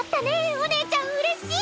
おねえちゃんうれしい。